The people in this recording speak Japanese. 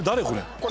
これ。